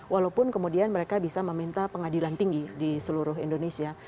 walaupun kemudian mereka bisa meminta pengadilan tinggi di seluruh indonesia